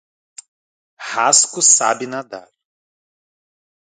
Rasko sabe nadar.